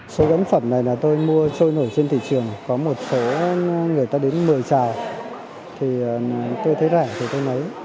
số gắn phẩm này là tôi mua trôi nổi trên thị trường có một số người ta đến mười trào tôi thấy rẻ thì tôi lấy